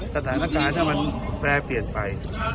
สถานการณ์ถ้ามันแปรเปลี่ยนไป